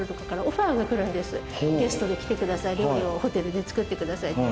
ゲストで来てください料理をホテルで作ってくださいって。